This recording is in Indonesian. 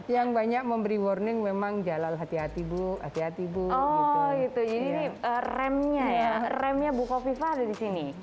yang banyak memberi warning memang jalal hati hati bu hati hati bu remnya remnya bukof viva ada di sini